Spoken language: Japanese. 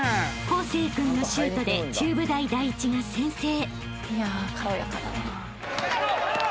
［康成君のシュートで中部大第一が先制］